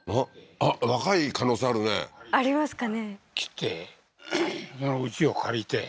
あっ若い可能性あるねありますかね？